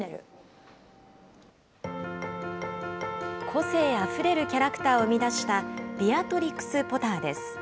個性あふれるキャラクターを生み出したビアトリクス・ポターです。